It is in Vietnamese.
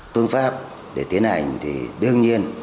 phương pháp để tiến hành thì đương nhiên